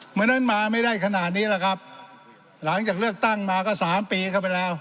เพราะฉะนั้นมาไม่ได้ขนาดนี้หรอกครับหลังจากเลือกตั้งมาก็สามปีเข้าไปแล้ว